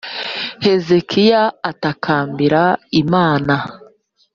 hezekiya atakambira imana